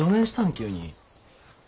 急に。